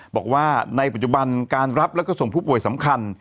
บอกว่าในปัจจุบันการรับแล้วก็ส่งผู้ป่วยสำคัญ